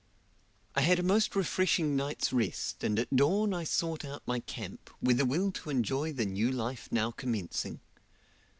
I had a most refreshing night's rest, and at dawn I sought out my camp, with a will to enjoy the new life now commencing.